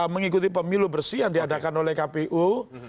mengikuti pemilu bersih yang diadakan oleh kpu